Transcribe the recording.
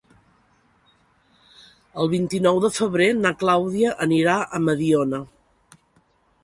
El vint-i-nou de febrer na Clàudia anirà a Mediona.